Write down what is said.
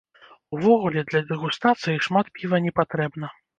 Увогуле, для дэгустацыі шмат піва не патрэбна.